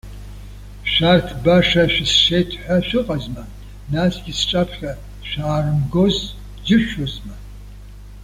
Шәарҭ баша шәысшеит ҳәа шәыҟазма, насгьы сҿаԥхьа шәаарымгоз џьышәшьозма?